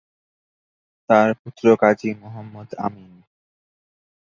তার পুত্র কাজী মুহম্মদ আমিন।